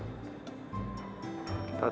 ketawa terus ya